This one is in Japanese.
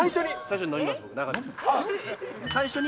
最初に？